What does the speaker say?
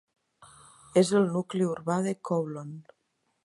És el nucli urbà de Kowloon.